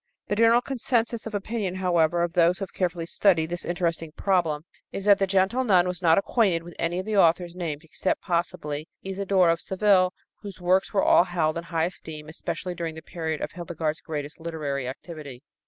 The general consensus of opinion, however, of those who have carefully studied this interesting problem is that the gentle nun was not acquainted with any of the authors named, except, possibly, Isodore of Seville, whose works were all held in high esteem, especially during the period of Hildegard's greatest literary activity.